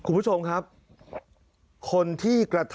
มึงขึ้นมา